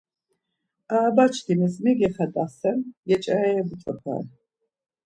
Arabaçkimis mi gexedasen, geç̌areri ebuç̌opare.